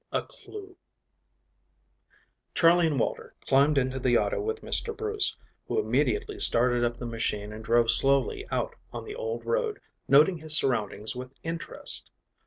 A CLEW. CHARLEY and Walter climbed into the auto with Mr. Bruce, who immediately started up the machine and drove slowly out on the old road, noting his surroundings with interest.